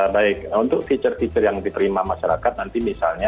baik untuk fitur fitur yang diterima masyarakat nanti misalnya